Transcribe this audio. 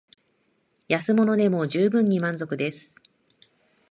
安物でも充分に満足です